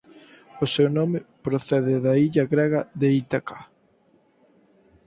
O seu nome procede da illa grega de Ítaca.